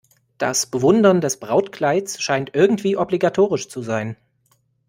Das Bewundern des Brautkleids scheint irgendwie obligatorisch zu sein.